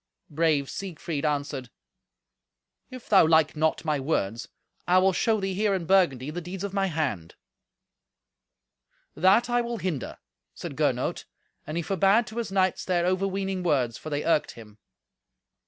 Brave Siegfried answered, "If thou like not my words, I will show thee here, in Burgundy, the deeds of my hand." "That I will hinder," said Gernot, and he forbade to his knights their overweening words, for they irked him.